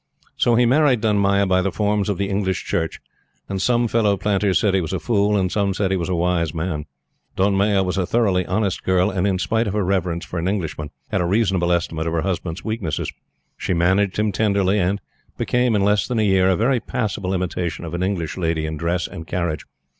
So he married Dunmaya by the forms of the English Church, and some fellow planters said he was a fool, and some said he was a wise man. Dunmaya was a thoroughly honest girl, and, in spite of her reverence for an Englishman, had a reasonable estimate of her husband's weaknesses. She managed him tenderly, and became, in less than a year, a very passable imitation of an English lady in dress and carriage.